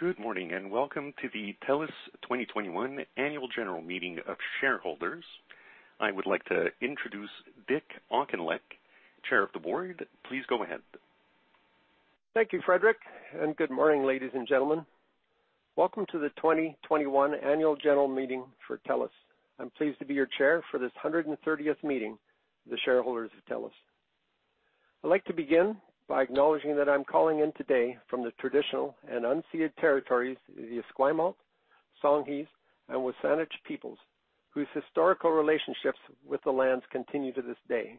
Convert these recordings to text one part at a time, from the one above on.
Good morning, and welcome to the TELUS 2021 Annual General Meeting of Shareholders. I would like to introduce Dick Auchinleck, Chair of the Board. Please go ahead. Thank you, Frederick, and good morning, ladies and gentlemen. Welcome to the 2021 Annual General Meeting for TELUS. I'm pleased to be your chair for this 130th meeting of the shareholders of TELUS. I'd like to begin by acknowledging that I'm calling in today from the traditional and unceded territories of the Esquimalt, Songhees, and W̱SÁNEĆ Peoples, whose historical relationships with the lands continue to this day,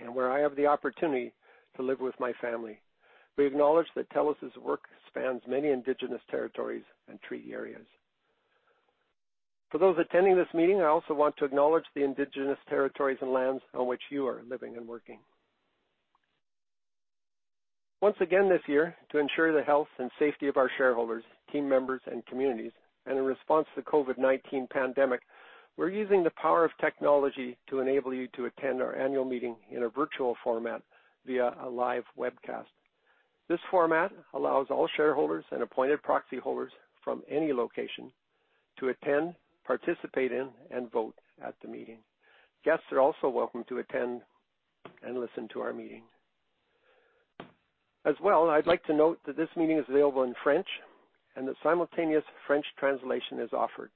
and where I have the opportunity to live with my family. We acknowledge that TELUS' work spans many Indigenous territories and treaty areas. For those attending this meeting, I also want to acknowledge the Indigenous territories and lands on which you are living and working. Once again this year, to ensure the health and safety of our shareholders, team members, and communities, and in response to COVID-19 pandemic, we're using the power of technology to enable you to attend our annual meeting in a virtual format via a live webcast. This format allows all shareholders and appointed proxy holders from any location to attend, participate in, and vote at the meeting. Guests are also welcome to attend and listen to our meeting. As well, I'd like to note that this meeting is available in French and that simultaneous French translation is offered.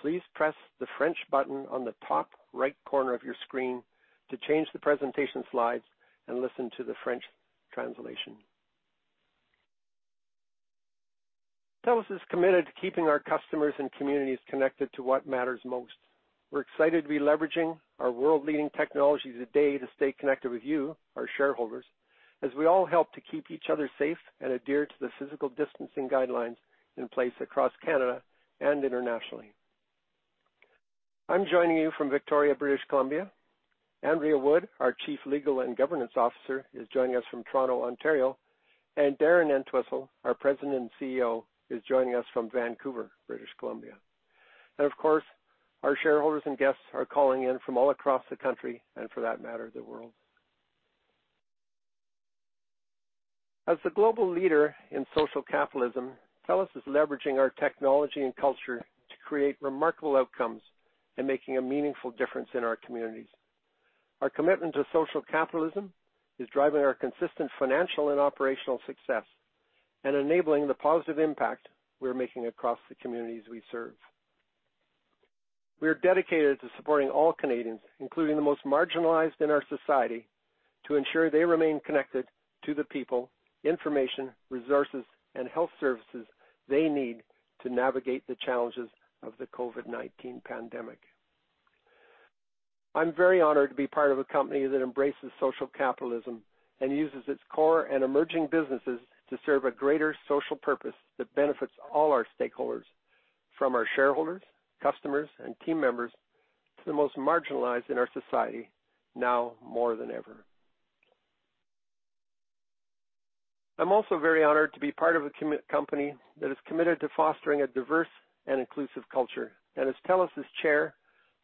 Please press the French button on the top right corner of your screen to change the presentation slides and listen to the French translation. TELUS is committed to keeping our customers and communities connected to what matters most. We're excited to be leveraging our world-leading technology today to stay connected with you, our shareholders, as we all help to keep each other safe and adhere to the physical distancing guidelines in place across Canada and internationally. I'm joining you from Victoria, British Columbia. Andrea Wood, our Chief Legal and Governance Officer, is joining us from Toronto, Ontario, and Darren Entwistle, our President and CEO, is joining us from Vancouver, British Columbia. Of course, our shareholders and guests are calling in from all across the country, and for that matter, the world. As the global leader in social capitalism, TELUS is leveraging our technology and culture to create remarkable outcomes and making a meaningful difference in our communities. Our commitment to social capitalism is driving our consistent financial and operational success and enabling the positive impact we're making across the communities we serve. We are dedicated to supporting all Canadians, including the most marginalized in our society, to ensure they remain connected to the people, information, resources, and health services they need to navigate the challenges of the COVID-19 pandemic. I'm very honored to be part of a company that embraces social capitalism and uses its core and emerging businesses to serve a greater social purpose that benefits all our stakeholders, from our shareholders, customers, and team members, to the most marginalized in our society, now more than ever. I'm also very honored to be part of a company that is committed to fostering a diverse and inclusive culture. As TELUS' Chair,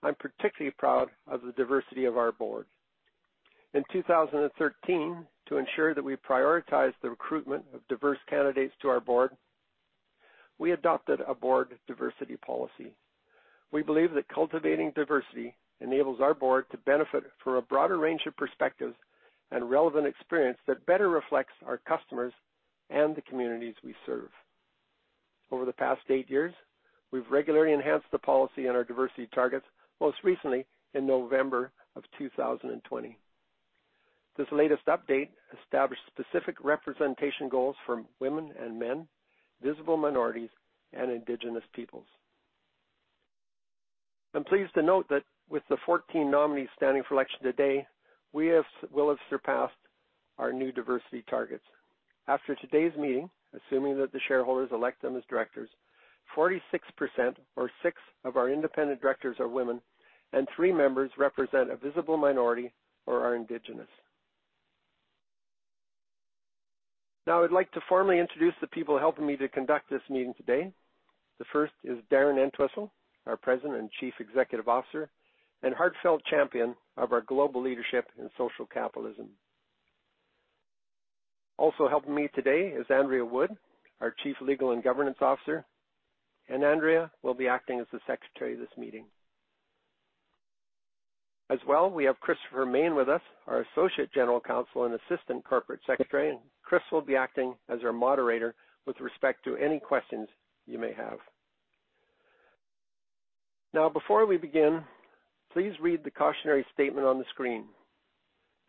I'm particularly proud of the diversity of our board. In 2013, to ensure that we prioritize the recruitment of diverse candidates to our board, we adopted a board diversity policy. We believe that cultivating diversity enables our board to benefit from a broader range of perspectives and relevant experience that better reflects our customers and the communities we serve. Over the past eight years, we've regularly enhanced the policy and our diversity targets, most recently in November of 2020. This latest update established specific representation goals for women and men, visible minorities, and Indigenous peoples. I'm pleased to note that with the 14 nominees standing for election today, we'll have surpassed our new diversity targets. After today's meeting, assuming that the shareholders elect them as directors, 46%, or six of our independent directors are women, and three members represent a visible minority or are Indigenous. Now I'd like to formally introduce the people helping me to conduct this meeting today. The first is Darren Entwistle, our President and Chief Executive Officer, and heartfelt champion of our global leadership in social capitalism. Also helping me today is Andrea Wood, our Chief Legal and Governance Officer, and Andrea will be acting as the secretary of this meeting. As well, we have Christopher Main with us, our Associate General Counsel and Assistant Corporate Secretary, and Chris will be acting as our moderator with respect to any questions you may have. Before we begin, please read the cautionary statement on the screen.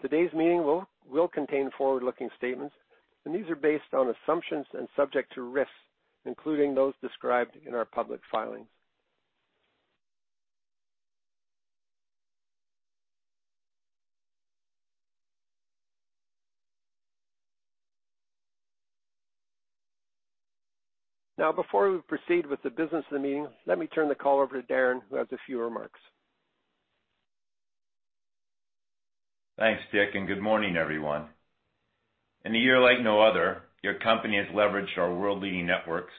Today's meeting will contain forward-looking statements, and these are based on assumptions and subject to risks, including those described in our public filings. Before we proceed with the business of the meeting, let me turn the call over to Darren, who has a few remarks. Thanks, Dick, good morning, everyone. In a year like no other, your company has leveraged our world-leading networks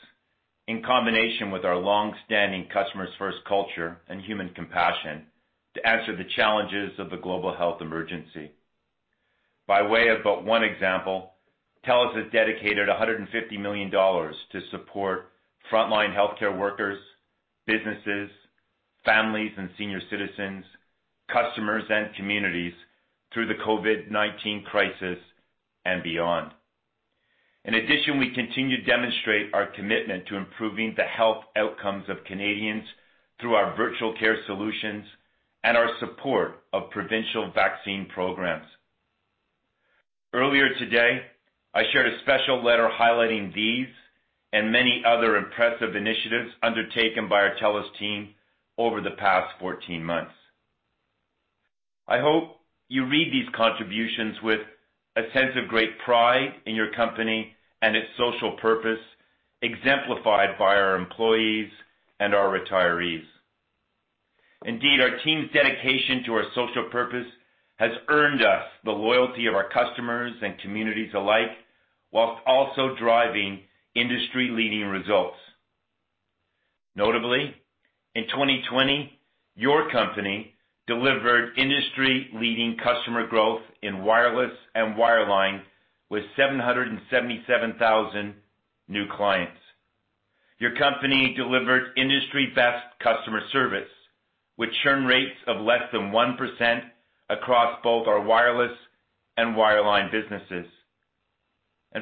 in combination with our longstanding customers-first culture and human compassion to answer the challenges of the global health emergency. By way of but one example, TELUS has dedicated 150 million dollars to support frontline healthcare workers, businesses, families and senior citizens, customers and communities through the COVID-19 crisis and beyond. In addition, we continue to demonstrate our commitment to improving the health outcomes of Canadians through our virtual care solutions and our support of provincial vaccine programs. Earlier today, I shared a special letter highlighting these and many other impressive initiatives undertaken by our TELUS team over the past 14 months. I hope you read these contributions with a sense of great pride in your company and its social purpose exemplified by our employees and our retirees. Indeed, our team's dedication to our social purpose has earned us the loyalty of our customers and communities alike, whilst also driving industry-leading results. Notably, in 2020, your company delivered industry-leading customer growth in wireless and wireline with 777,000 new clients. Your company delivered industry-best customer service with churn rates of less than 1% across both our wireless and wireline businesses.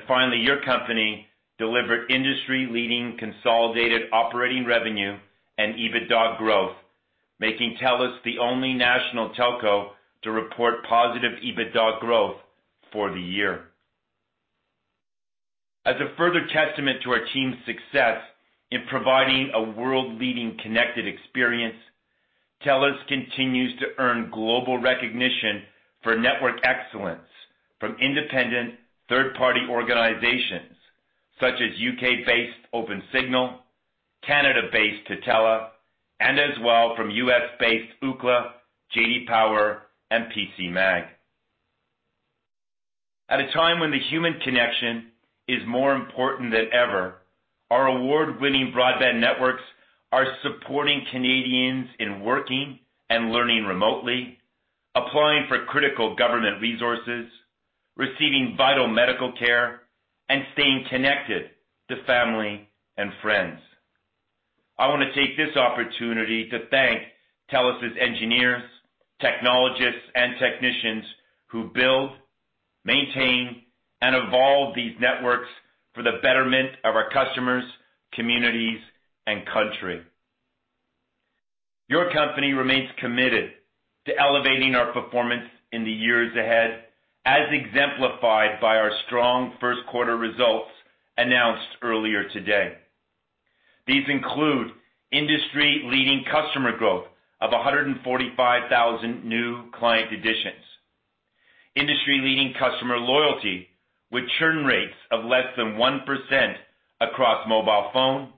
Finally, your company delivered industry-leading consolidated operating revenue and EBITDA growth, making TELUS the only national telco to report positive EBITDA growth for the year. As a further testament to our team's success in providing a world-leading connected experience, TELUS continues to earn global recognition for network excellence from independent third-party organizations such as U.K.-based OpenSignal, Canada-based Tutela, and as well from U.S.-based Ookla, J.D. Power, and PCMag. At a time when the human connection is more important than ever, our award-winning broadband networks are supporting Canadians in working and learning remotely, applying for critical government resources, receiving vital medical care, and staying connected to family and friends. I want to take this opportunity to thank TELUS' engineers, technologists, and technicians who build, maintain, and evolve these networks for the betterment of our customers, communities, and country. Your company remains committed to elevating our performance in the years ahead, as exemplified by our strong first quarter results announced earlier today. These include industry-leading customer growth of 145,000 new client additions, industry-leading customer loyalty with churn rates of less than 1% across mobile phone,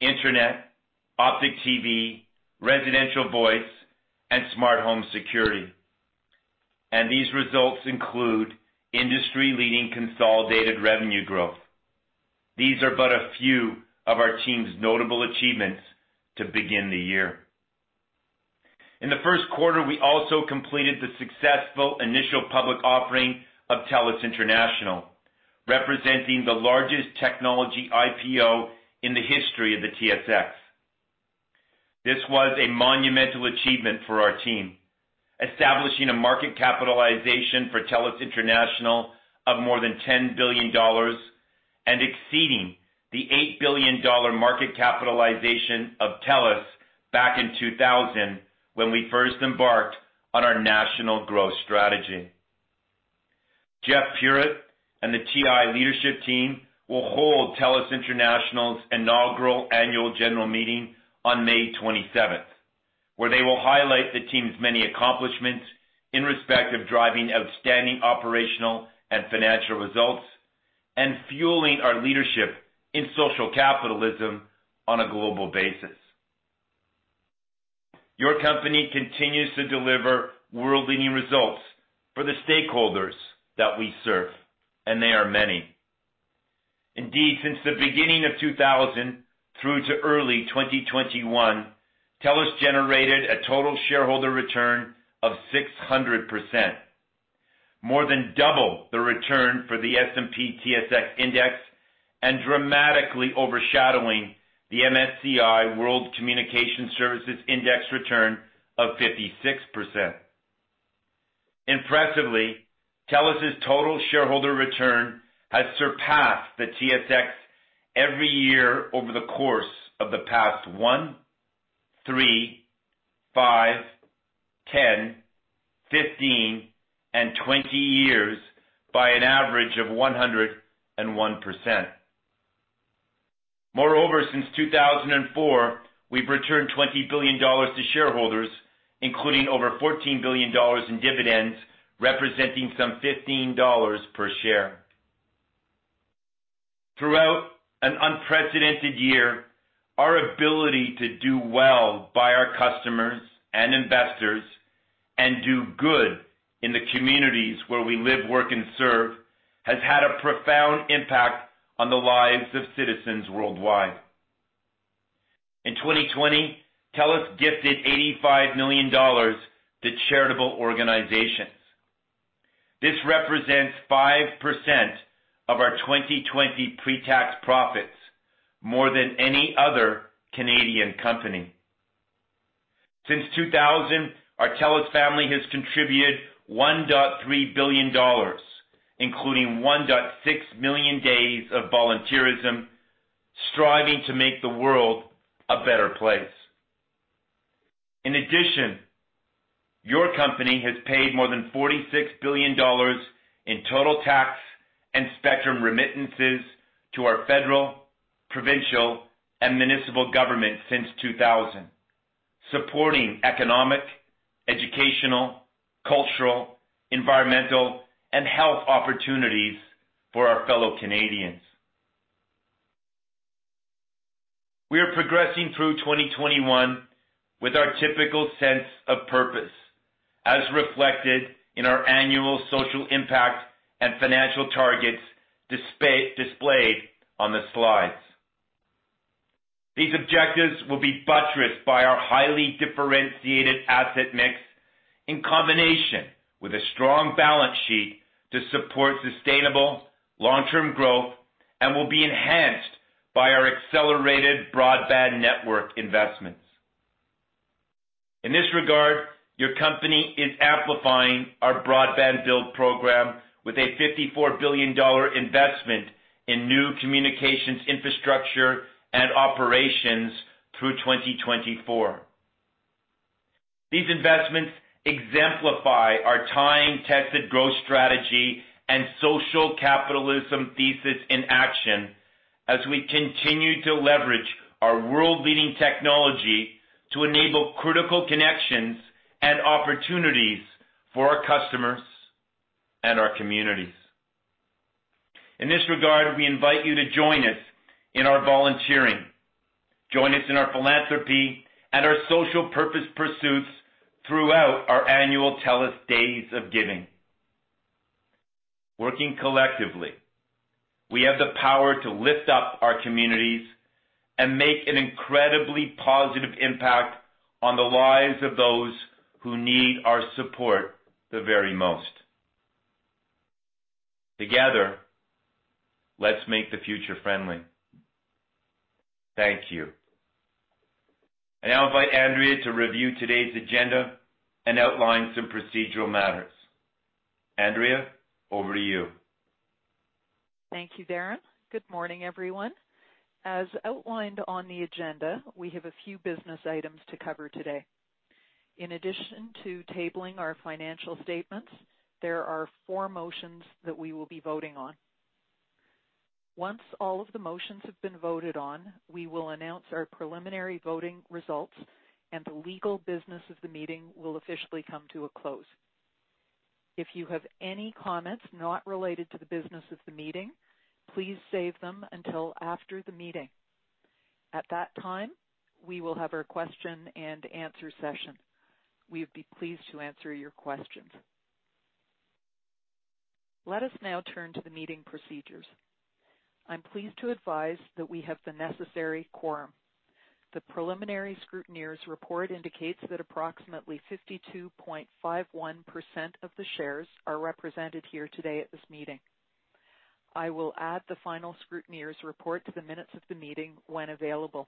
internet, Optik TV, residential voice, and smart home security. These results include industry-leading consolidated revenue growth. These are but a few of our team's notable achievements to begin the year. In the first quarter, we also completed the successful initial public offering of TELUS International, representing the largest technology IPO in the history of the TSX. This was a monumental achievement for our team, establishing a market capitalization for TELUS International of more than 10 billion dollars and exceeding the 8 billion dollar market capitalization of TELUS back in 2000 when we first embarked on our national growth strategy. Jeff Puritt and the TI leadership team will hold TELUS International's inaugural annual general meeting on May 27th, where they will highlight the team's many accomplishments in respect of driving outstanding operational and financial results and fueling our leadership in social capitalism on a global basis. Your company continues to deliver world-leading results for the stakeholders that we serve, and they are many. Indeed, since the beginning of 2000 through to early 2021, TELUS generated a total shareholder return of 600%, more than double the return for the S&P/TSX Index and dramatically overshadowing the MSCI World Communication Services Index return of 56%. Impressively, TELUS' total shareholder return has surpassed the TSX every year over the course of the past one, three, five, 10, 15, and 20 years by an average of 101%. Moreover, since 2004, we've returned 20 billion dollars to shareholders, including over 14 billion dollars in dividends, representing some 15 dollars per share. Throughout an unprecedented year, our ability to do well by our customers and investors and do good in the communities where we live, work, and serve has had a profound impact on the lives of citizens worldwide. In 2020, TELUS gifted 85 million dollars to charitable organizations. This represents 5% of our 2020 pre-tax profits, more than any other Canadian company. Since 2000, our TELUS family has contributed 1.3 billion dollars, including 1.6 million days of volunteerism, striving to make the world a better place. In addition, your company has paid more than 46 billion dollars in total tax and spectrum remittances to our federal, provincial, and municipal government since 2000, supporting economic, educational, cultural, environmental, and health opportunities for our fellow Canadians. We are progressing through 2021 with our typical sense of purpose, as reflected in our annual social impact and financial targets displayed on the slides. These objectives will be buttressed by our highly differentiated asset mix in combination with a strong balance sheet to support sustainable long-term growth and will be enhanced by our accelerated broadband network investments. In this regard, your company is amplifying our broadband build program with a 54 billion dollar investment in new communications infrastructure and operations through 2024. These investments exemplify our time-tested growth strategy and social capitalism thesis in action as we continue to leverage our world-leading technology to enable critical connections and opportunities for our customers and our communities. In this regard, we invite you to join us in our volunteering, join us in our philanthropy, and our social purpose pursuits throughout our annual TELUS Days of Giving. Working collectively, we have the power to lift up our communities and make an incredibly positive impact on the lives of those who need our support the very most. Together, let's make the future friendly. Thank you. I now invite Andrea to review today's agenda and outline some procedural matters. Andrea, over to you. Thank you, Darren. Good morning, everyone. As outlined on the agenda, we have a few business items to cover today. In addition to tabling our financial statements, there are four motions that we will be voting on. Once all of the motions have been voted on, we will announce our preliminary voting results, and the legal business of the meeting will officially come to a close. If you have any comments not related to the business of the meeting, please save them until after the meeting. At that time, we will have our question and answer session. We'd be pleased to answer your questions. Let us now turn to the meeting procedures. I'm pleased to advise that we have the necessary quorum. The preliminary scrutineers report indicates that approximately 52.51% of the shares are represented here today at this meeting. I will add the final scrutineers report to the minutes of the meeting when available.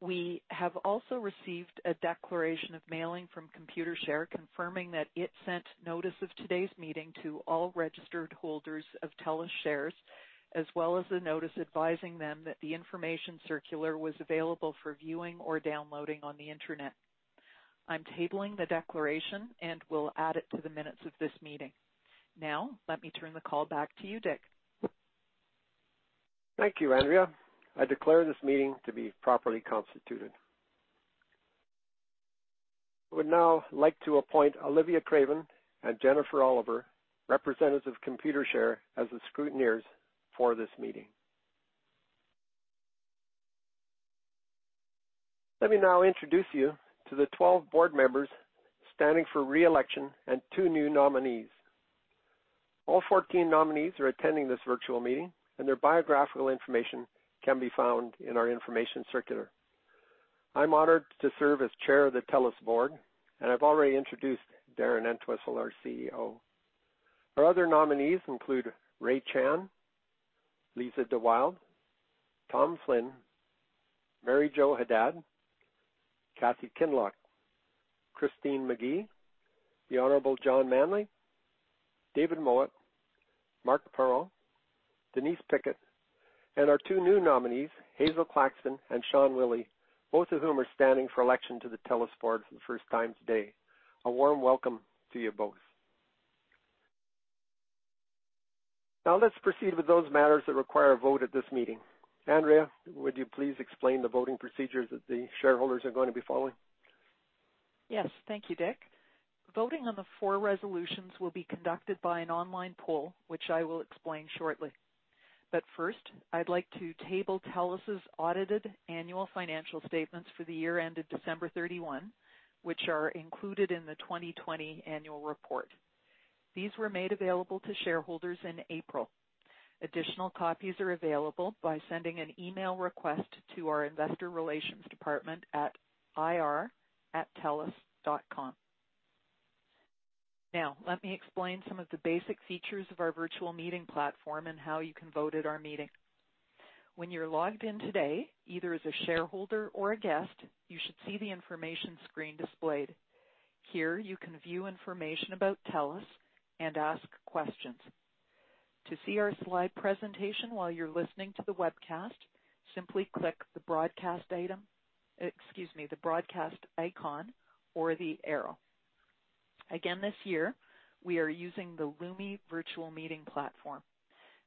We have also received a declaration of mailing from Computershare confirming that it sent notice of today's meeting to all registered holders of TELUS shares, as well as the notice advising them that the information circular was available for viewing or downloading on the Internet. I'm tabling the declaration and will add it to the minutes of this meeting. Now, let me turn the call back to you, Dick. Thank you, Andrea. I declare this meeting to be properly constituted. I would now like to appoint Olivia Craven and Jennifer Oliver, representatives of Computershare, as the scrutineers for this meeting. Let me now introduce you to the 12 board members standing for re-election and two new nominees. All 14 nominees are attending this virtual meeting, and their biographical information can be found in our information circular. I am honored to serve as Chair of the TELUS Board, and I have already introduced Darren Entwistle, our CEO. Our other nominees include Ray Chan, Lisa de Wilde, Tom Flynn, Mary Jo Haddad, Kathy Kinloch, Christine Magee, The Honorable John Manley, David Mowat, Marc Parent, Denise Pickett, and our two new nominees, Hazel Claxton and Sean Willy, both of whom are standing for election to the TELUS Board for the first time today. A warm welcome to you both. Now let's proceed with those matters that require a vote at this meeting. Andrea, would you please explain the voting procedures that the shareholders are going to be following? Yes. Thank you, Dick. Voting on the four resolutions will be conducted by an online poll, which I will explain shortly. First, I'd like to table TELUS's audited annual financial statements for the year ended December 31, which are included in the 2020 annual report. These were made available to shareholders in April. Additional copies are available by sending an email request to our investor relations department at ir@telus.com. Let me explain some of the basic features of our virtual meeting platform and how you can vote at our meeting. When you're logged in today, either as a shareholder or a guest, you should see the information screen displayed. Here, you can view information about TELUS and ask questions. To see our slide presentation while you're listening to the webcast, simply click the broadcast icon or the arrow. Again this year, we are using the Lumi virtual meeting platform.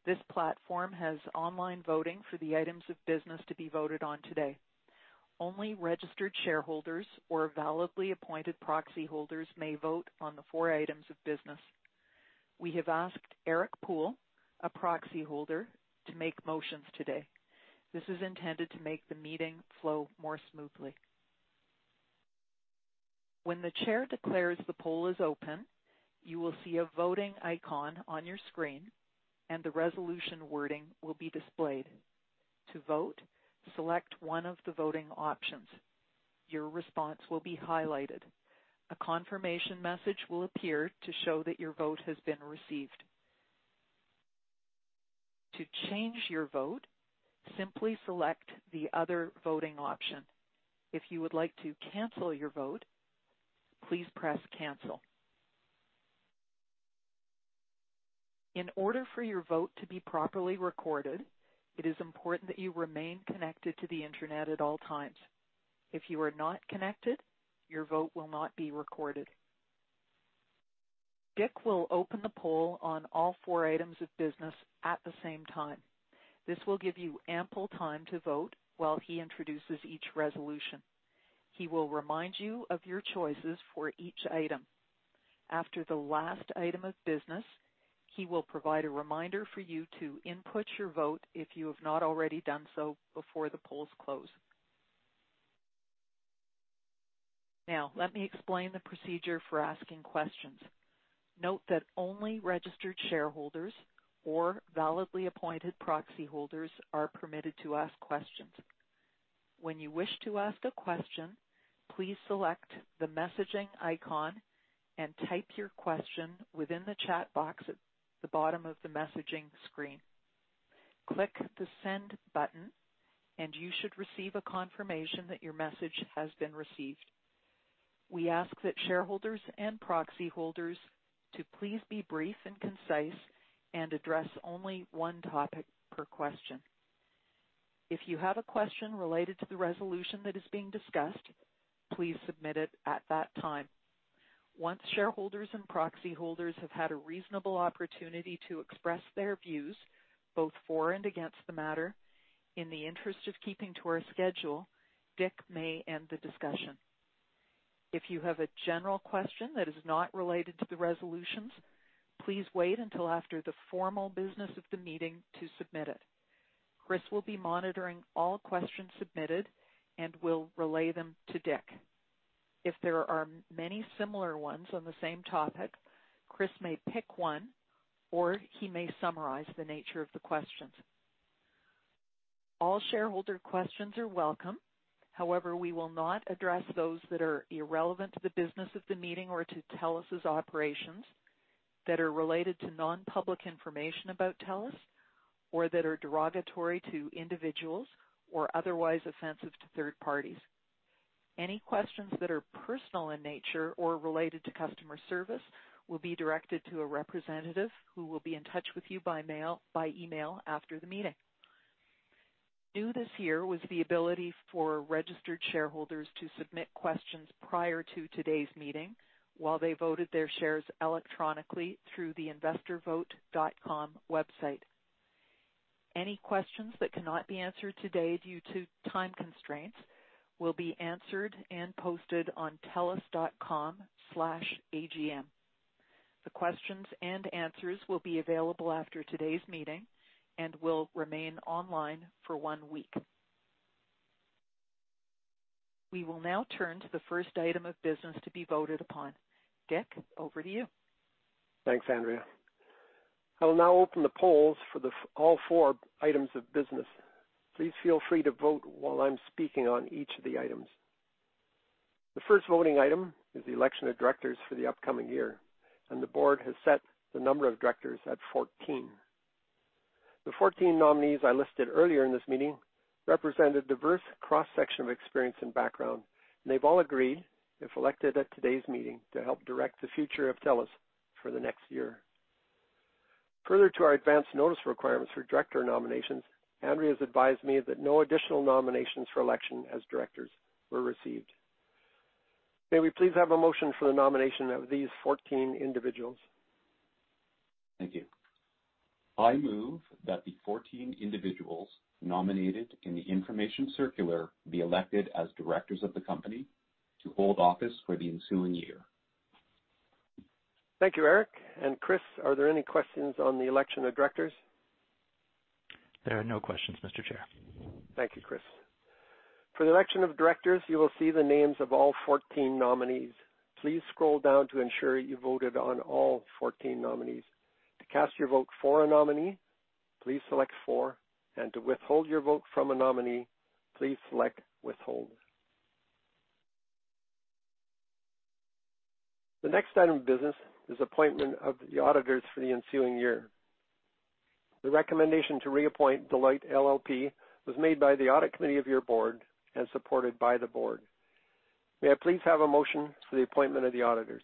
This platform has online voting for the items of business to be voted on today. Only registered shareholders or validly appointed proxy holders may vote on the four items of business. We have asked Eric Poole, a proxy holder, to make motions today. This is intended to make the meeting flow more smoothly. When the chair declares the poll is open, you will see a voting icon on your screen, and the resolution wording will be displayed. To vote, select one of the voting options. Your response will be highlighted. A confirmation message will appear to show that your vote has been received. To change your vote, simply select the other voting option. If you would like to cancel your vote, please press Cancel. In order for your vote to be properly recorded, it is important that you remain connected to the internet at all times. If you are not connected, your vote will not be recorded. Dick will open the poll on all four items of business at the same time. This will give you ample time to vote while he introduces each resolution. He will remind you of your choices for each item. After the last item of business, he will provide a reminder for you to input your vote if you have not already done so before the polls close. Let me explain the procedure for asking questions. Note that only registered shareholders or validly appointed proxy holders are permitted to ask questions. When you wish to ask a question, please select the messaging icon and type your question within the chat box at the bottom of the messaging screen. Click the Send button and you should receive a confirmation that your message has been received. We ask that shareholders and proxy holders to please be brief and concise and address only one topic per question. If you have a question related to the resolution that is being discussed, please submit it at that time. Once shareholders and proxy holders have had a reasonable opportunity to express their views, both for and against the matter, in the interest of keeping to our schedule, Dick may end the discussion. If you have a general question that is not related to the resolutions, please wait until after the formal business of the meeting to submit it. Chris will be monitoring all questions submitted and will relay them to Dick. If there are many similar ones on the same topic, Chris may pick one or he may summarize the nature of the questions. All shareholder questions are welcome. However, we will not address those that are irrelevant to the business of the meeting or to TELUS's operations that are related to non-public information about TELUS, or that are derogatory to individuals or otherwise offensive to third parties. Any questions that are personal in nature or related to customer service will be directed to a representative who will be in touch with you by email after the meeting. New this year was the ability for registered shareholders to submit questions prior to today's meeting while they voted their shares electronically through the investorvote.com website. Any questions that cannot be answered today due to time constraints will be answered and posted on telus.com/agm. The questions and answers will be available after today's meeting and will remain online for one week. We will now turn to the first item of business to be voted upon. Dick, over to you. Thanks, Andrea. I will now open the polls for all four items of business. Please feel free to vote while I'm speaking on each of the items. The first voting item is the election of directors for the upcoming year, and the Board has set the number of directors at 14. The 14 nominees I listed earlier in this meeting represent a diverse cross-section of experience and background, and they've all agreed, if elected at today's meeting, to help direct the future of TELUS for the next year. Further to our advance notice requirements for director nominations, Andrea has advised me that no additional nominations for election as directors were received. May we please have a motion for the nomination of these 14 individuals? Thank you. I move that the 14 individuals nominated in the information circular be elected as directors of the company to hold office for the ensuing year. Thank you, Eric. Chris, are there any questions on the election of directors? There are no questions, Mr. Chair. Thank you, Chris. For the election of directors, you will see the names of all 14 nominees. Please scroll down to ensure you voted on all 14 nominees. To cast your vote for a nominee, please select "for," and to withhold your vote from a nominee, please select "withhold." The next item of business is appointment of the auditors for the ensuing year. The recommendation to reappoint Deloitte LLP was made by the audit committee of your board and supported by the Board. May I please have a motion for the appointment of the auditors?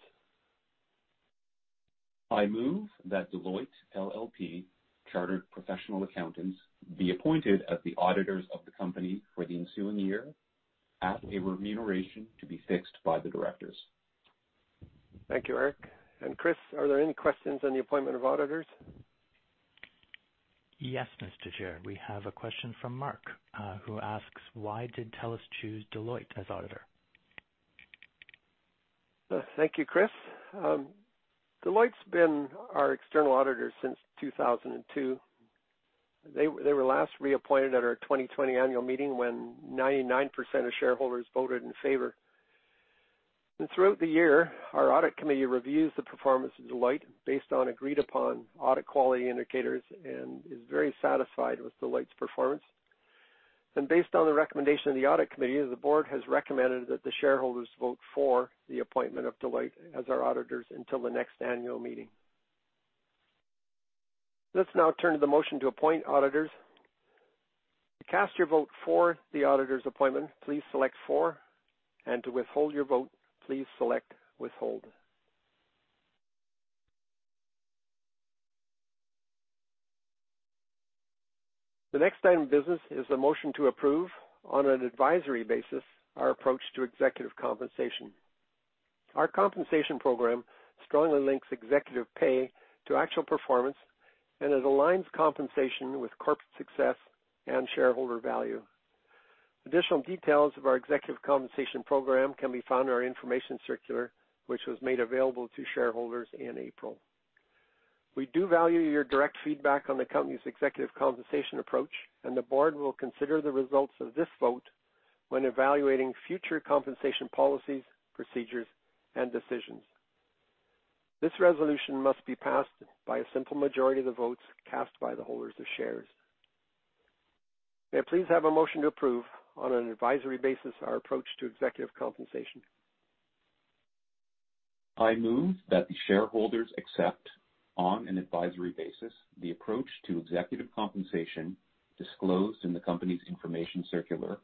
I move that Deloitte LLP, chartered professional accountants, be appointed as the auditors of the company for the ensuing year at a remuneration to be fixed by the directors. Thank you, Eric. Chris, are there any questions on the appointment of auditors? Yes, Mr. Chair. We have a question from Mark, who asks, why did TELUS choose Deloitte as auditor? Thank you, Chris. Deloitte's been our external auditors since 2002. They were last reappointed at our 2020 annual meeting when 99% of shareholders voted in favor. Throughout the year, our audit committee reviews the performance of Deloitte based on agreed-upon audit quality indicators and is very satisfied with Deloitte's performance. Based on the recommendation of the audit committee, the Board has recommended that the shareholders vote for the appointment of Deloitte as our auditors until the next annual meeting. Let's now turn to the motion to appoint auditors. To cast your vote for the auditors appointment, please select "for," and to withhold your vote, please select "withhold." The next item of business is a motion to approve, on an advisory basis, our approach to executive compensation. Our compensation program strongly links executive pay to actual performance, and it aligns compensation with corporate success and shareholder value. Additional details of our executive compensation program can be found in our information circular, which was made available to shareholders in April. We do value your direct feedback on the company's executive compensation approach, and the Board will consider the results of this vote when evaluating future compensation policies, procedures, and decisions. This resolution must be passed by a simple majority of the votes cast by the holders of shares. May I please have a motion to approve, on an advisory basis, our approach to executive compensation? I move that the shareholders accept, on an advisory basis, the approach to executive compensation disclosed in the company's information circular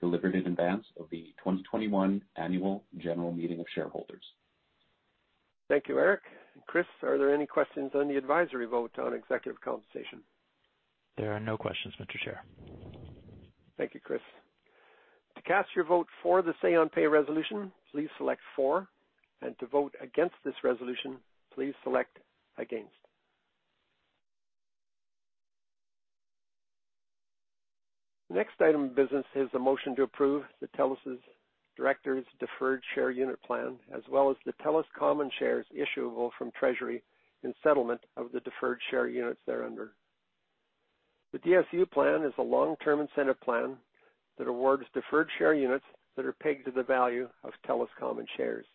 delivered in advance of the 2021 Annual General Meeting of Shareholders. Thank you, Eric. Chris, are there any questions on the advisory vote on executive compensation? There are no questions, Mr. Chair. Thank you, Chris. To cast your vote for the say on pay resolution, please select "for," and to vote against this resolution, please select "against." The next item of business is a motion to approve the TELUS's directors' deferred share unit plan, as well as the TELUS common shares issuable from treasury in settlement of the deferred share units thereunder. The DSU plan is a long-term incentive plan that awards deferred share units that are pegged to the value of TELUS common shares.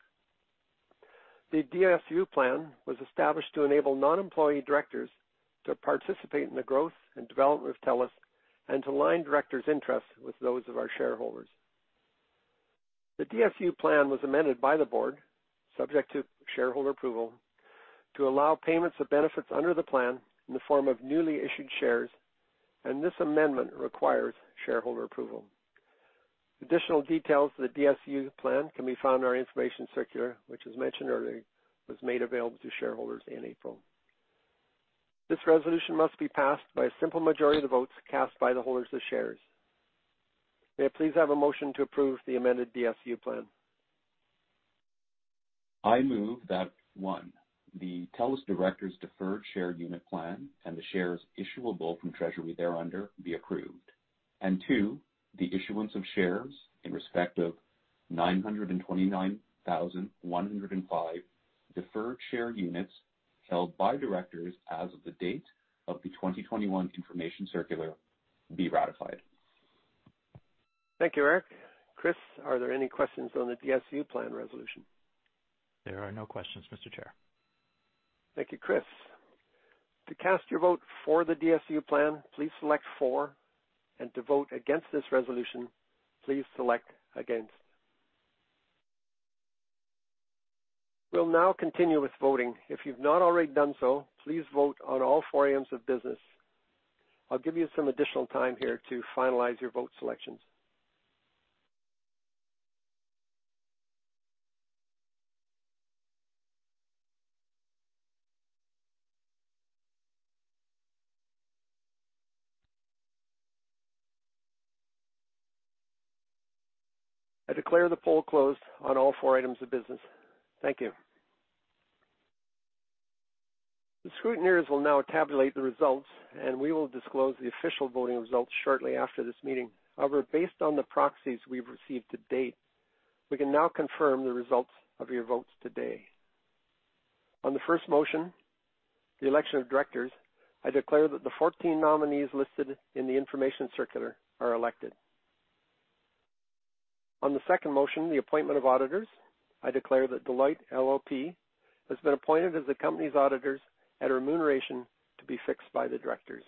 The DSU plan was established to enable non-employee directors to participate in the growth and development of TELUS and to align directors' interests with those of our shareholders. The DSU plan was amended by the Board, subject to shareholder approval, to allow payments of benefits under the plan in the form of newly issued shares. This amendment requires shareholder approval. Additional details of the DSU plan can be found in our information circular, which, as mentioned earlier, was made available to shareholders in April. This resolution must be passed by a simple majority of the votes cast by the holders of shares. May I please have a motion to approve the amended DSU plan? I move that, one, the TELUS directors' deferred share unit plan and the shares issuable from treasury thereunder be approved. Two, the issuance of shares in respect of 929,105 deferred share units held by directors as of the date of the 2021 information circular be ratified. Thank you, Eric. Chris, are there any questions on the DSU plan resolution? There are no questions, Mr. Chair. Thank you, Chris. To cast your vote for the DSU plan, please select "for," and to vote against this resolution, please select "against." We'll now continue with voting. If you've not already done so, please vote on all four items of business. I'll give you some additional time here to finalize your vote selections. I declare the poll closed on all four items of business. Thank you. The scrutineers will now tabulate the results, and we will disclose the official voting results shortly after this meeting. However, based on the proxies we've received to date, we can now confirm the results of your votes today. On the first motion, the election of directors, I declare that the 14 nominees listed in the information circular are elected. On the second motion, the appointment of auditors, I declare that Deloitte LLP has been appointed as the company's auditors at a remuneration to be fixed by the directors.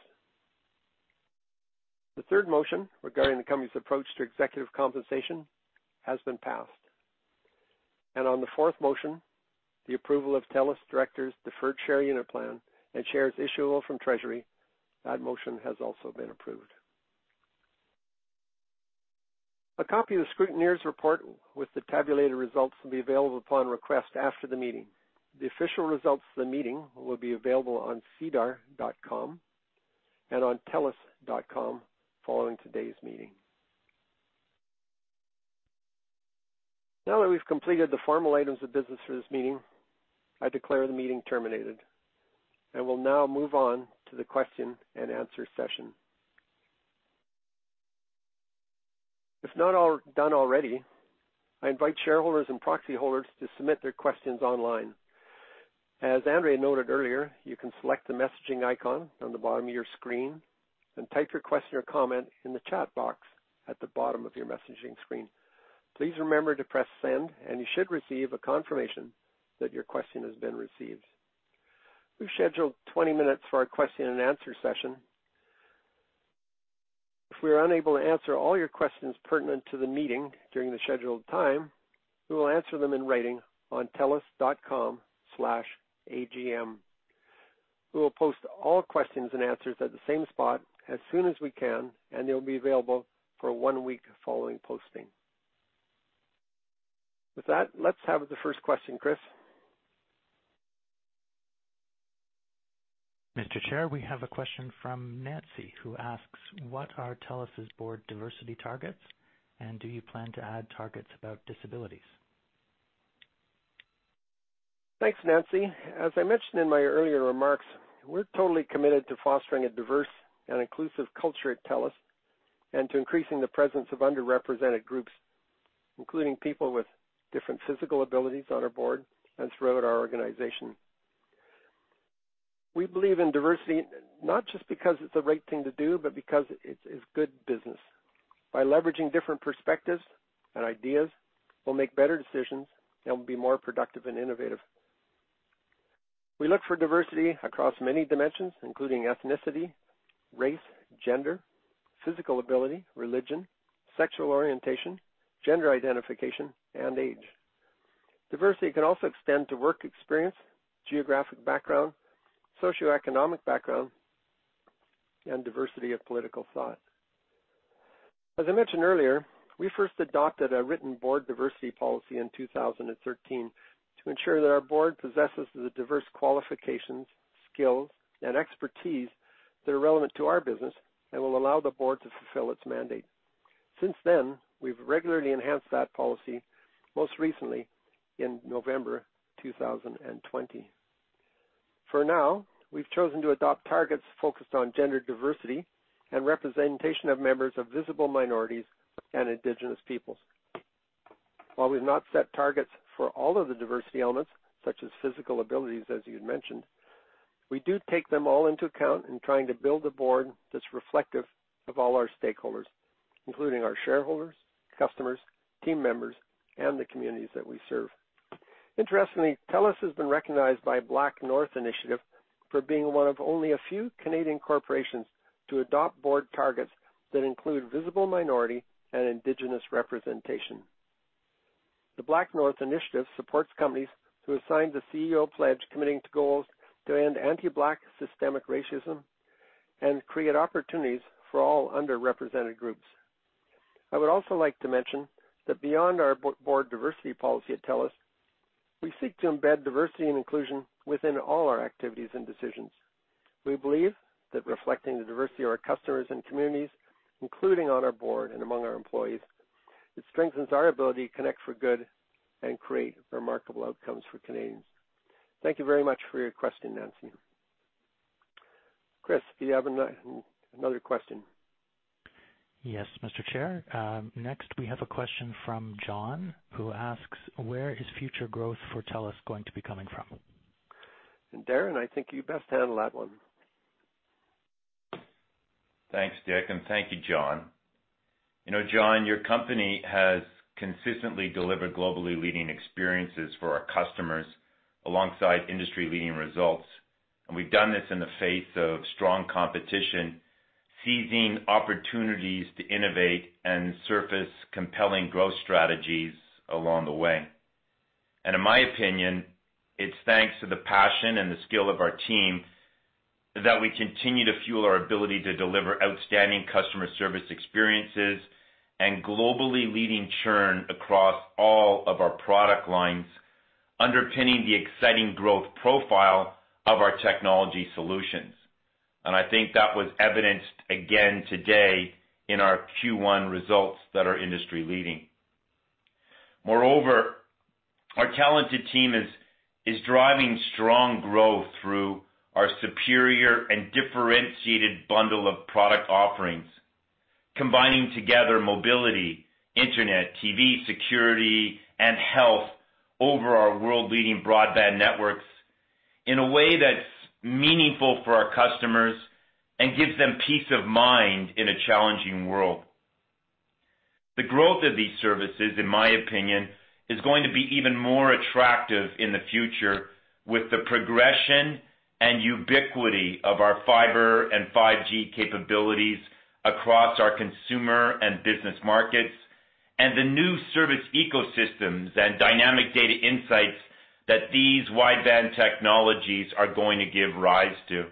The third motion regarding the company's approach to executive compensation has been passed. On the fourth motion, the approval of TELUS directors' deferred share unit plan and shares issuable from treasury, that motion has also been approved. A copy of the scrutineer's report with the tabulated results will be available upon request after the meeting. The official results of the meeting will be available on sedar.com and on telus.com following today's meeting. Now that we've completed the formal items of business for this meeting, I declare the meeting terminated and will now move on to the question-and-answer session. If not done already, I invite shareholders and proxy holders to submit their questions online. As Andrea noted earlier, you can select the messaging icon on the bottom of your screen and type your question or comment in the chat box at the bottom of your messaging screen. Please remember to press send, and you should receive a confirmation that your question has been received. We've scheduled 20 minutes for our question-and-answer session. If we are unable to answer all your questions pertinent to the meeting during the scheduled time, we will answer them in writing on telus.com/agm. We will post all questions and answers at the same spot as soon as we can, and they'll be available for one week following posting. With that, let's have the first question, Chris. Mr. Chair, we have a question from Nancy, who asks, "What are TELUS's Board diversity targets, and do you plan to add targets about disabilities? Thanks, Nancy. As I mentioned in my earlier remarks, we're totally committed to fostering a diverse and inclusive culture at TELUS and to increasing the presence of underrepresented groups, including people with different physical abilities on our board and throughout our organization. We believe in diversity not just because it's the right thing to do, but because it's good business. By leveraging different perspectives and ideas, we'll make better decisions and we'll be more productive and innovative. We look for diversity across many dimensions, including ethnicity, race, gender, physical ability, religion, sexual orientation, gender identification, and age. Diversity can also extend to work experience, geographic background, socioeconomic background, and diversity of political thought. As I mentioned earlier, we first adopted a written board diversity policy in 2013 to ensure that our Board possesses the diverse qualifications, skills, and expertise that are relevant to our business and will allow the Board to fulfill its mandate. Since then, we've regularly enhanced that policy, most recently in November 2020. For now, we've chosen to adopt targets focused on gender diversity and representation of members of visible minorities and Indigenous peoples. While we've not set targets for all of the diversity elements, such as physical abilities, as you'd mentioned, we do take them all into account in trying to build a board that's reflective of all our stakeholders, including our shareholders, customers, team members, and the communities that we serve. Interestingly, TELUS has been recognized by BlackNorth Initiative for being one of only a few Canadian corporations to adopt board targets that include visible minority and Indigenous representation. The BlackNorth Initiative supports companies who assign the CEO pledge committing to goals to end anti-Black systemic racism and create opportunities for all underrepresented groups. I would also like to mention that beyond our board diversity policy at TELUS, we seek to embed diversity and inclusion within all our activities and decisions. We believe that reflecting the diversity of our customers and communities, including on our board and among our employees, it strengthens our ability to connect for good and create remarkable outcomes for Canadians. Thank you very much for your question, Nancy. Chris, do you have another question? Yes, Mr. Chair. Next, we have a question from John, who asks, "Where is future growth for TELUS going to be coming from? Darren, I think you best handle that one. Thanks, Dick. Thank you, John. John, your company has consistently delivered globally leading experiences for our customers alongside industry-leading results. We've done this in the face of strong competition, seizing opportunities to innovate and surface compelling growth strategies along the way. In my opinion, it's thanks to the passion and the skill of our team that we continue to fuel our ability to deliver outstanding customer service experiences and globally leading churn across all of our product lines, underpinning the exciting growth profile of our technology solutions. I think that was evidenced again today in our Q1 results that are industry-leading. Moreover, our talented team is driving strong growth through our superior and differentiated bundle of product offerings. Combining together mobility, internet, TV, security, and health over our world-leading broadband networks in a way that's meaningful for our customers and gives them peace of mind in a challenging world. The growth of these services, in my opinion, is going to be even more attractive in the future with the progression and ubiquity of our fiber and 5G capabilities across our consumer and business markets, and the new service ecosystems and dynamic data insights that these wide-band technologies are going to give rise to.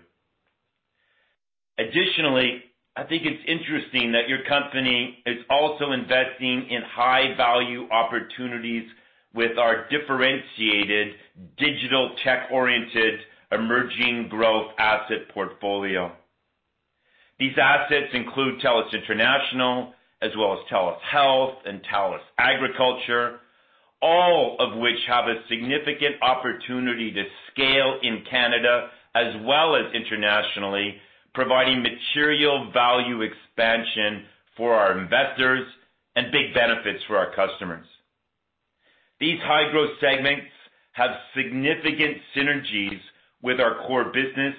Additionally, I think it's interesting that your company is also investing in high-value opportunities with our differentiated digital tech-oriented emerging growth asset portfolio. These assets include TELUS International as well as TELUS Health and TELUS Agriculture, all of which have a significant opportunity to scale in Canada as well as internationally, providing material value expansion for our investors and big benefits for our customers. These high-growth segments have significant synergies with our core business,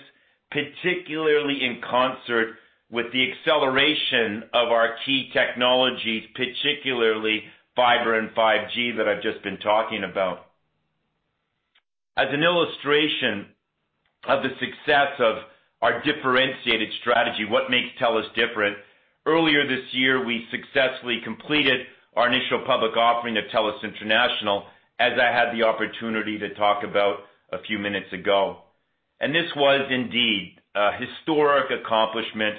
particularly in concert with the acceleration of our key technologies, particularly fiber and 5G that I've just been talking about. As an illustration of the success of our differentiated strategy, what makes TELUS different, earlier this year, we successfully completed our initial public offering of TELUS International, as I had the opportunity to talk about a few minutes ago. This was indeed a historic accomplishment,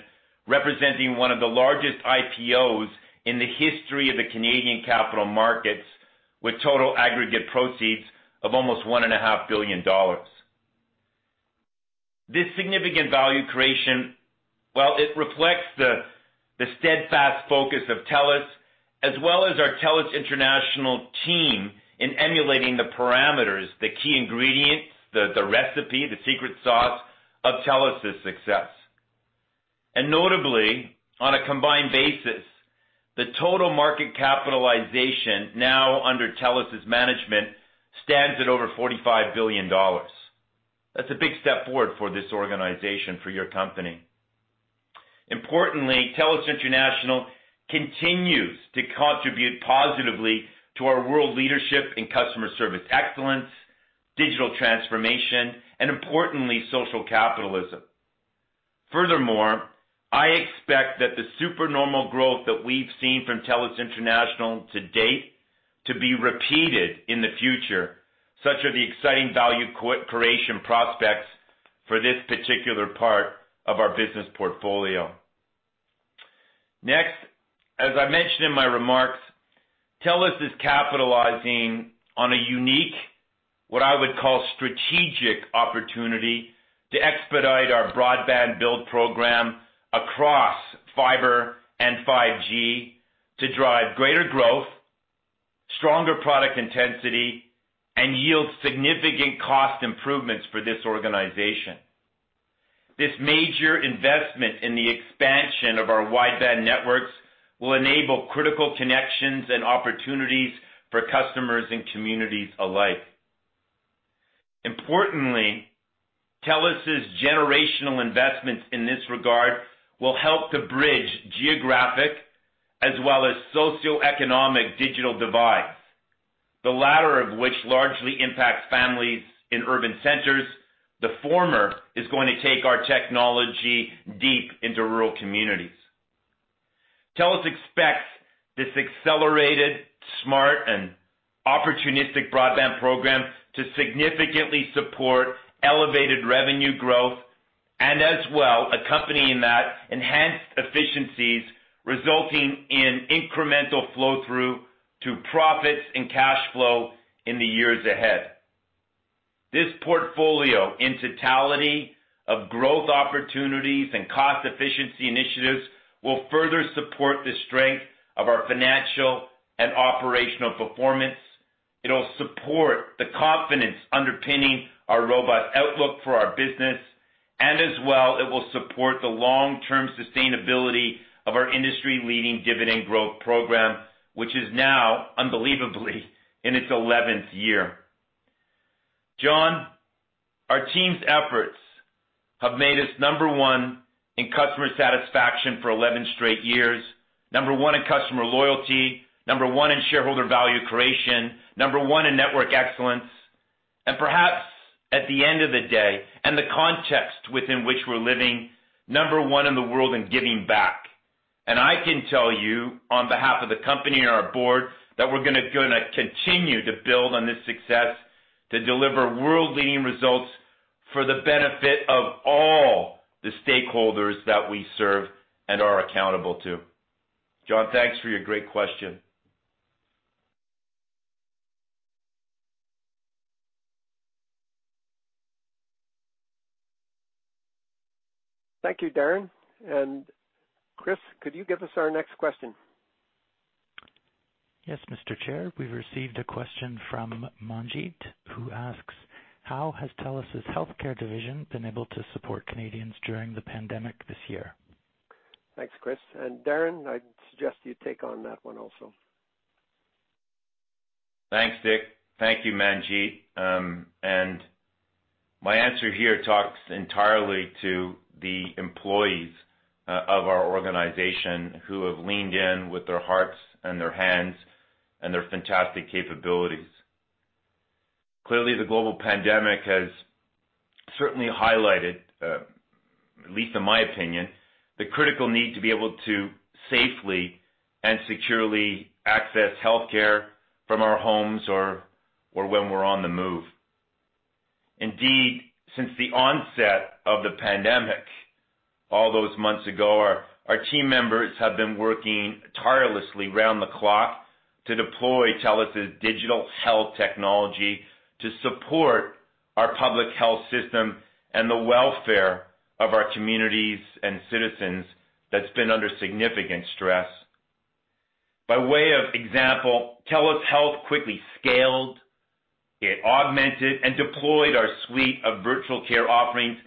representing one of the largest IPOs in the history of the Canadian capital markets, with total aggregate proceeds of almost 1.5 billion dollars. This significant value creation, well, it reflects the steadfast focus of TELUS as well as our TELUS International team in emulating the parameters, the key ingredients, the recipe, the secret sauce of TELUS' success. Notably, on a combined basis, the total market capitalization now under TELUS' management stands at over 45 billion dollars. That's a big step forward for this organization, for your company. Importantly, TELUS International continues to contribute positively to our world leadership in customer service excellence, digital transformation, and importantly, social capitalism. Furthermore, I expect that the supernormal growth that we've seen from TELUS International to date to be repeated in the future, such are the exciting value creation prospects for this particular part of our business portfolio. Next, as I mentioned in my remarks, TELUS is capitalizing on a unique, what I would call strategic opportunity to expedite our broadband build program across fiber and 5G to drive greater growth, stronger product intensity, and yield significant cost improvements for this organization. This major investment in the expansion of our wide-band networks will enable critical connections and opportunities for customers and communities alike. Importantly, TELUS' generational investments in this regard will help to bridge geographic as well as socioeconomic digital divides. The latter of which largely impacts families in urban centers. The former is going to take our technology deep into rural communities. TELUS expects this accelerated, smart, and opportunistic broadband program to significantly support elevated revenue growth, and as well, accompanying that, enhanced efficiencies resulting in incremental flow-through to profits and cash flow in the years ahead. This portfolio, in totality of growth opportunities and cost efficiency initiatives, will further support the strength of our financial and operational performance. It'll support the confidence underpinning our robust outlook for our business, and as well, it will support the long-term sustainability of our industry-leading dividend growth program, which is now unbelievably in its 11th year. John, our team's efforts have made us number one in customer satisfaction for 11 straight years, number one in customer loyalty, number one in shareholder value creation, number one in network excellence, and perhaps at the end of the day, and the context within which we're living, number one in the world in giving back. I can tell you on behalf of the company and our Board that we're going to continue to build on this success to deliver world-leading results for the benefit of all the stakeholders that we serve and are accountable to. John, thanks for your great question. Thank you, Darren. Chris, could you give us our next question? Yes, Mr. Chair. We've received a question from Manjit, who asks, "How has TELUS's healthcare division been able to support Canadians during the pandemic this year?" Thanks, Chris. Darren, I'd suggest you take on that one also. Thanks, Dick. Thank you, Manjit. My answer here talks entirely to the employees of our organization who have leaned in with their hearts and their hands and their fantastic capabilities. Clearly, the global pandemic has certainly highlighted, at least in my opinion, the critical need to be able to safely and securely access healthcare from our homes or when we're on the move. Indeed, since the onset of the pandemic all those months ago, our team members have been working tirelessly round the clock to deploy TELUS's digital health technology to support our public health system and the welfare of our communities and citizens that's been under significant stress. By way of example, TELUS Health quickly scaled, it augmented and deployed our suite of virtual care offerings,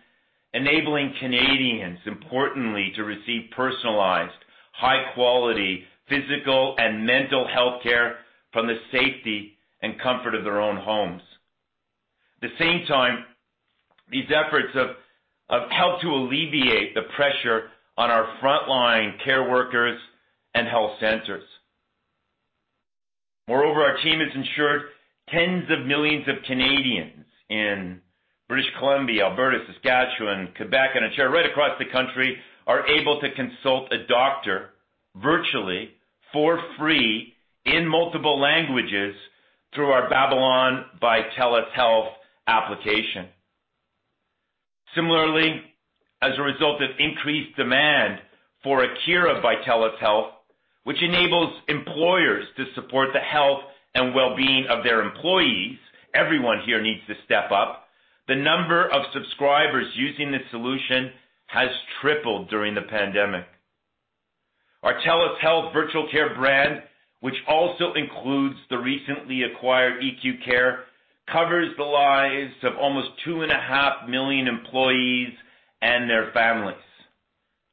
enabling Canadians, importantly, to receive personalized, high-quality physical and mental health care from the safety and comfort of their own homes. At the same time, these efforts have helped to alleviate the pressure on our frontline care workers and health centers. Moreover, our team has ensured tens of millions of Canadians in British Columbia, Alberta, Saskatchewan, Quebec, and Ontario, right across the country, are able to consult a doctor virtually for free in multiple languages through our Babylon by TELUS Health application. Similarly, as a result of increased demand for Akira by TELUS Health, which enables employers to support the health and well-being of their employees, everyone here needs to step up. The number of subscribers using this solution has tripled during the pandemic. Our TELUS Health virtual care brand, which also includes the recently acquired EQ Care, covers the lives of almost 2.5 million employees and their families.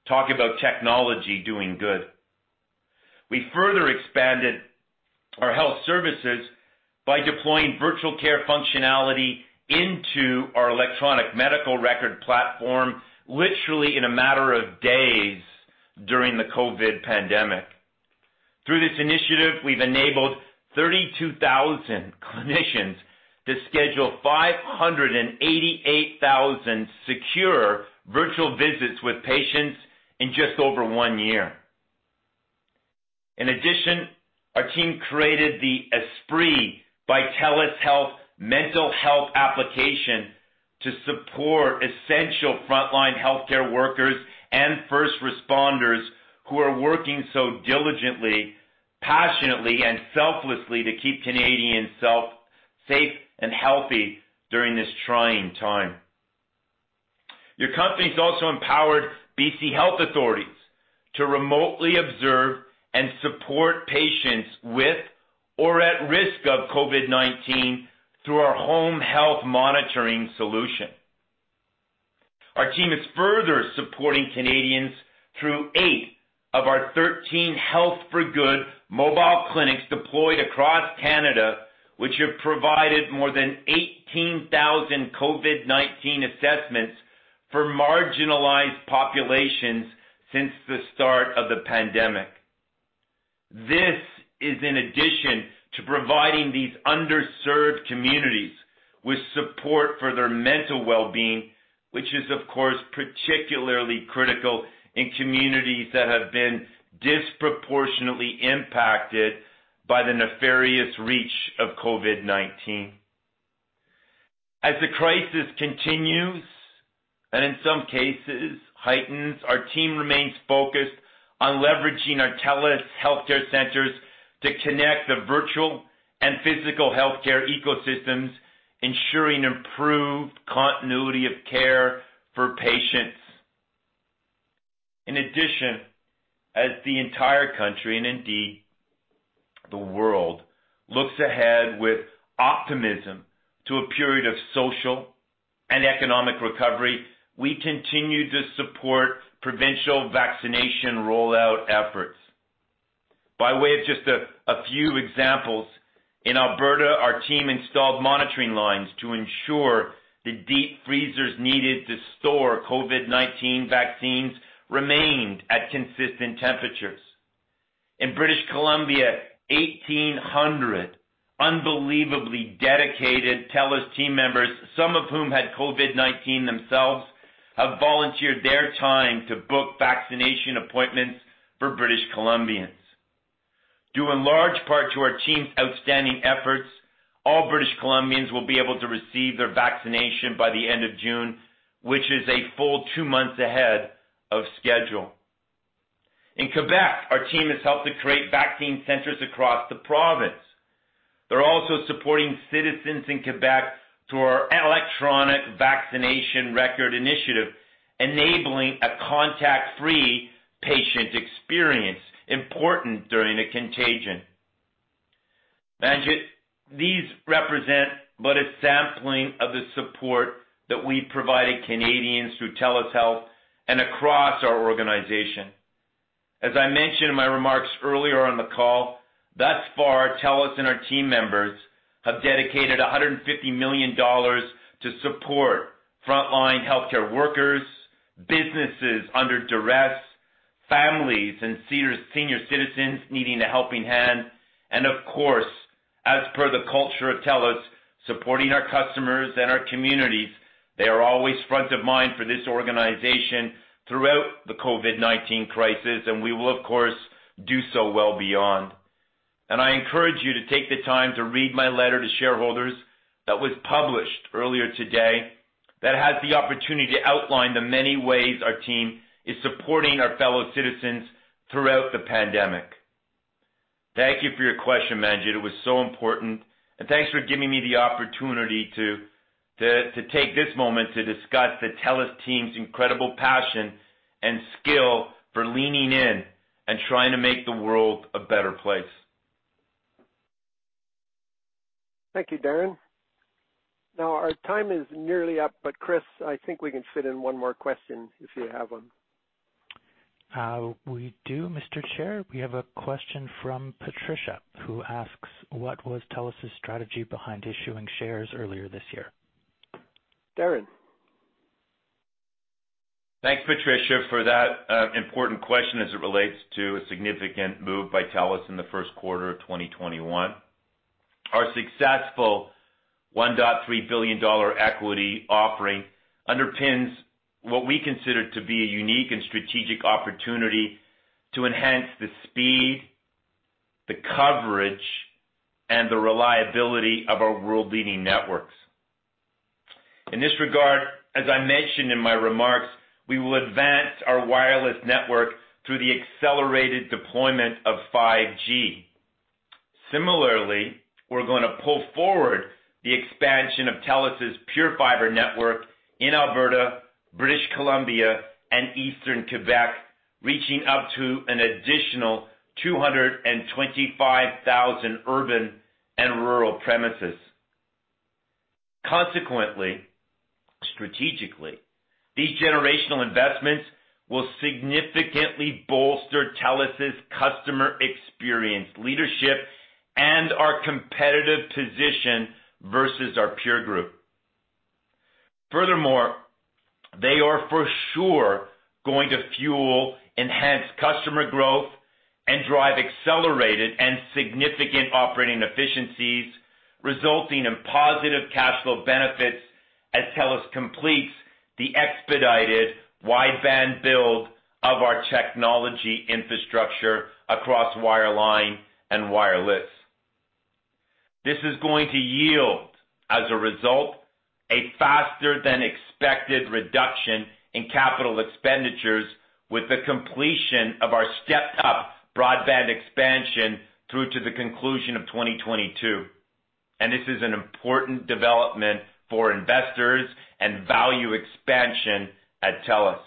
Talk about technology doing good. We further expanded our health services by deploying virtual care functionality into our Electronic Medical Record platform, literally in a matter of days during the COVID pandemic. Through this initiative, we've enabled 32,000 clinicians to schedule 588,000 secure virtual visits with patients in just over one year. In addition, our team created the Espri by TELUS Health mental health application to support essential frontline healthcare workers and first responders who are working so diligently, passionately, and selflessly to keep Canadians safe and healthy during this trying time. Your company's also empowered B.C. health authorities to remotely observe and support patients with or at risk of COVID-19 through our home health monitoring solution. Our team is further supporting Canadians through eight of our 13 Health for Good mobile clinics deployed across Canada, which have provided more than 18,000 COVID-19 assessments for marginalized populations since the start of the pandemic. This is in addition to providing these underserved communities with support for their mental well-being, which is of course, particularly critical in communities that have been disproportionately impacted by the nefarious reach of COVID-19. As the crisis continues, and in some cases heightens, our team remains focused on leveraging our TELUS Health Care Centres to connect the virtual and physical healthcare ecosystems, ensuring improved continuity of care for patients. In addition, as the entire country, and indeed the world, looks ahead with optimism to a period of social and economic recovery, we continue to support provincial vaccination rollout efforts. By way of just a few examples, in Alberta, our team installed monitoring lines to ensure the deep freezers needed to store COVID-19 vaccines remained at consistent temperatures. In British Columbia, 1,800 unbelievably dedicated TELUS team members, some of whom had COVID-19 themselves, have volunteered their time to book vaccination appointments for British Columbians. Due in large part to our team's outstanding efforts, all British Columbians will be able to receive their vaccination by the end of June, which is a full two months ahead of schedule. In Quebec, our team has helped to create vaccine centers across the province. Also supporting citizens in Quebec through our electronic vaccination record initiative, enabling a contact-free patient experience important during a contagion. Manjit, these represent but a sampling of the support that we provided Canadians through TELUS Health and across our organization. As I mentioned in my remarks earlier on the call, thus far, TELUS and our team members have dedicated 150 million dollars to support frontline healthcare workers, businesses under duress, families and senior citizens needing a helping hand, and of course, as per the culture of TELUS, supporting our customers and our communities. They are always front of mind for this organization throughout the COVID-19 crisis, and we will, of course, do so well beyond. I encourage you to take the time to read my letter to shareholders that was published earlier today that has the opportunity to outline the many ways our team is supporting our fellow citizens throughout the pandemic. Thank you for your question, Manjit. It was so important. Thanks for giving me the opportunity to take this moment to discuss the TELUS team's incredible passion and skill for leaning in and trying to make the world a better place. Thank you, Darren. Our time is nearly up, but Chris, I think we can fit in one more question if you have one. We do, Mr. Chair. We have a question from Patricia, who asks, what was TELUS's strategy behind issuing shares earlier this year? Darren. Thanks, Patricia, for that important question as it relates to a significant move by TELUS in the first quarter of 2021. Our successful 1.3 billion dollar equity offering underpins what we consider to be a unique and strategic opportunity to enhance the speed, the coverage, and the reliability of our world-leading networks. In this regard, as I mentioned in my remarks, we will advance our wireless network through the accelerated deployment of 5G. Similarly, we're going to pull forward the expansion of TELUS's PureFibre network in Alberta, British Columbia, and Eastern Quebec, reaching up to an additional 225,000 urban and rural premises. Strategically, these generational investments will significantly bolster TELUS's customer experience leadership and our competitive position versus our peer group. Furthermore, they are for sure going to fuel enhanced customer growth and drive accelerated and significant operating efficiencies, resulting in positive cash flow benefits as TELUS completes the expedited wideband build of our technology infrastructure across wireline and wireless. This is going to yield, as a result, a faster than expected reduction in capital expenditures with the completion of our stepped-up broadband expansion through to the conclusion of 2022. This is an important development for investors and value expansion at TELUS.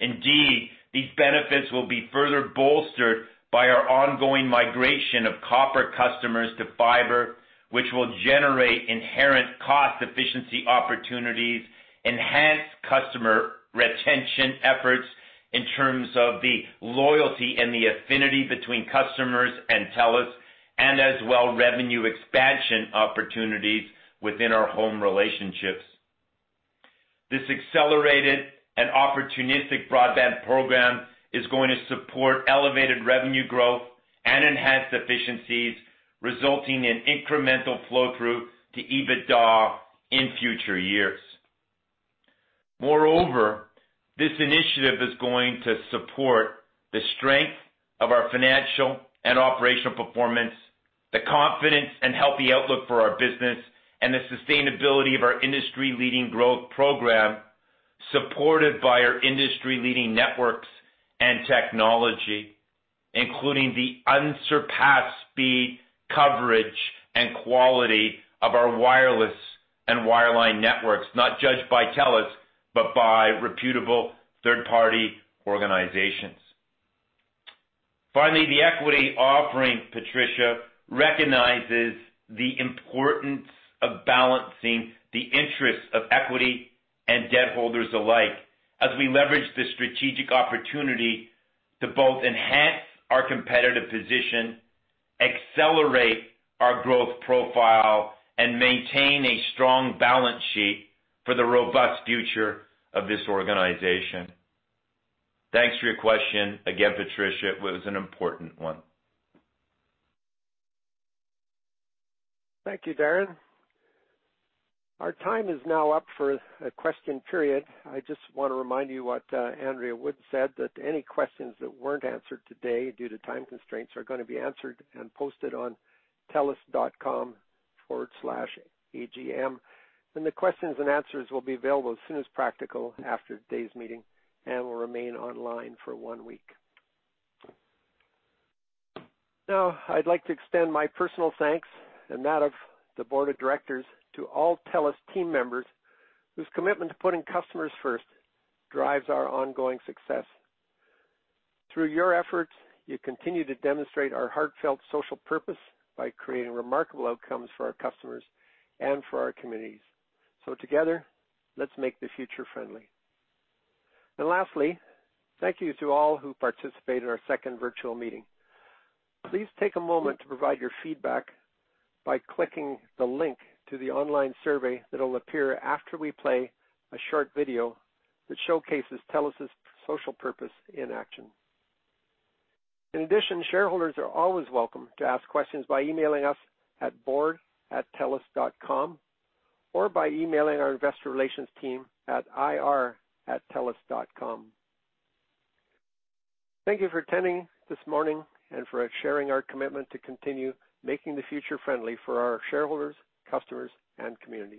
Indeed, these benefits will be further bolstered by our ongoing migration of copper customers to fiber, which will generate inherent cost efficiency opportunities, enhance customer retention efforts in terms of the loyalty and the affinity between customers and TELUS, and as well, revenue expansion opportunities within our home relationships. This accelerated and opportunistic broadband program is going to support elevated revenue growth and enhanced efficiencies, resulting in incremental flow-through to EBITDA in future years. This initiative is going to support the strength of our financial and operational performance, the confidence and healthy outlook for our business, and the sustainability of our industry-leading growth program, supported by our industry-leading networks and technology, including the unsurpassed speed, coverage, and quality of our wireless and wireline networks, not judged by TELUS, but by reputable third-party organizations. The equity offering, Patricia, recognizes the importance of balancing the interests of equity and debt holders alike as we leverage this strategic opportunity to both enhance our competitive position, accelerate our growth profile, and maintain a strong balance sheet for the robust future of this organization. Thanks for your question again, Patricia. It was an important one. Thank you, Darren. Our time is now up for a question period. I just want to remind you what Andrea Wood said, that any questions that weren't answered today due to time constraints are going to be answered and posted on telus.com/agm. The questions and answers will be available as soon as practical after today's meeting and will remain online for one week. I'd like to extend my personal thanks and that of the Board of Directors to all TELUS team members whose commitment to putting customers first drives our ongoing success. Through your efforts, you continue to demonstrate our heartfelt social purpose by creating remarkable outcomes for our customers and for our communities. Together, let's make the future friendly. Lastly, thank you to all who participated in our second virtual meeting. Please take a moment to provide your feedback by clicking the link to the online survey that will appear after we play a short video that showcases TELUS's social purpose in action. Shareholders are always welcome to ask questions by emailing us at board@telus.com or by emailing our investor relations team at ir@telus.com. Thank you for attending this morning and for sharing our commitment to continue making the future friendly for our shareholders, customers, and communities.